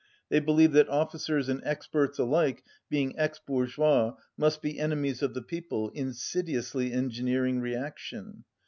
They believe that officers and experts alike, being ex bourgeois, must be enemies of the people, insidiously engineering reaction.